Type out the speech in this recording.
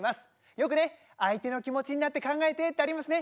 よくね相手の気持ちになって考えてってありますね。